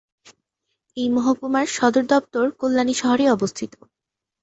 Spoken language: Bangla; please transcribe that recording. এই মহকুমার সদর দপ্তর কল্যাণী শহরে অবস্থিত।